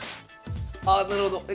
ああなるほどえ？